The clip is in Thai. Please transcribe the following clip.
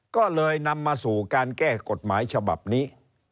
ก็เลยนำมาสู่การแก้กฎหมายฉบับนี้